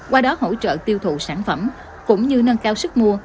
qua đó hỗ trợ tiêu thụ sản phẩm cũng như nâng cao sức mua